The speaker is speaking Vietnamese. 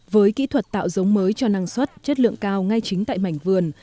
với kỹ thuật tạo giống mới cho năng suất chất lượng cao ngay chính tại mảnh vườn